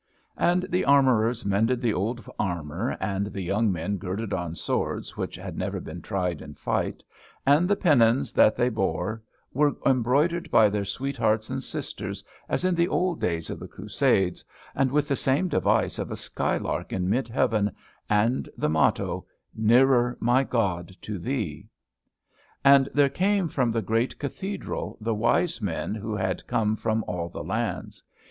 And the armorers mended the old armor, and the young men girded on swords which had never been tried in fight, and the pennons that they bore were embroidered by their sweethearts and sisters as in the old days of the Crusades, and with the same device of a sky lark in mid heaven, and the motto, "Nearer, my God, to Thee." And there came from the great Cathedral the wise men who had come from all the lands.